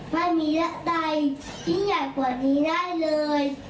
ไม่มีและใดยิ่งใหญ่กว่านี้ได้เลย